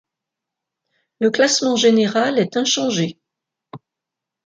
Le classement général est inchangé.